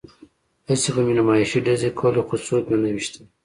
هسې به مې نمایشي ډزې کولې خو څوک مې نه ویشتل